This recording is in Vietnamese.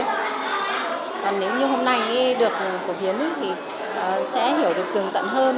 còn nếu như hôm nay được phổ biến thì sẽ hiểu được tường tận hơn